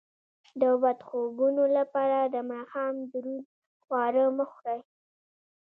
د بد خوبونو لپاره د ماښام دروند خواړه مه خورئ